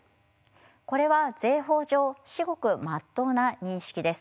これは税法上しごくまっとうな認識です。